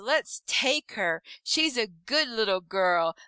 let's take her! She's a good Little Girl!